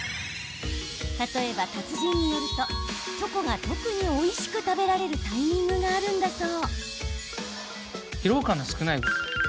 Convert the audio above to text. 例えば、達人によるとチョコが特においしく食べられるタイミングがあるんだそう。